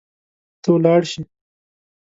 ته ولاړ شي